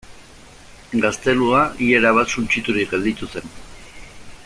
Gaztelua ia erabat suntsiturik gelditu zen.